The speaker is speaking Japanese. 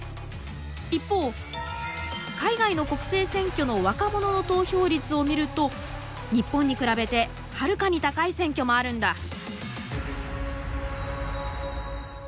一方海外の国政選挙の若者の投票率を見ると日本に比べてはるかに高い選挙もあるんだ。